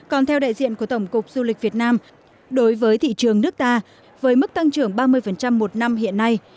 còn theo đại diện của tổng cục du lịch việt nam đối với thị trường nước ta với mức tăng trưởng ba mươi một năm hiện nay